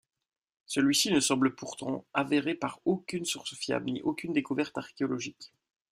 Celui-ci ne semble pourtant avéré par aucune source fiable ni aucune découverte archéologique.